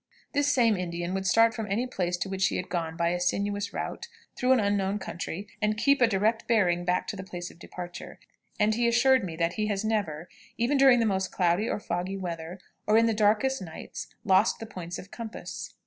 This same Indian would start from any place to which he had gone by a sinuous route, through an unknown country, and keep a direct bearing back to the place of departure; and he assured me that he has never, even during the most cloudy or foggy weather, or in the darkest nights, lost the points of compass.